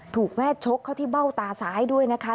ถูกแม่ชกเข้าที่เบ้าตาซ้ายด้วยนะคะ